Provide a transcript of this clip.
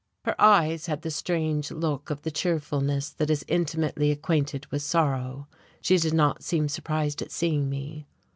Her eyes had the strange look of the cheerfulness that is intimately acquainted with sorrow. She did not seem surprised at seeing me.